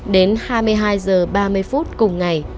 đến hai mươi hai h ba mươi phút cùng ngày